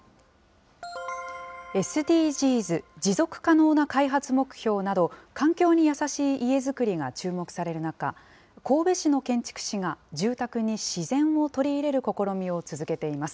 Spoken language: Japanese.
ＳＤＧｓ・持続可能な開発目標など環境に優しい家づくりが注目される中、神戸市の建築士が住宅に自然を取り入れる試みを続けています。